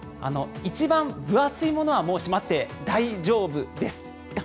一番分厚いものはもうしまって大丈夫です。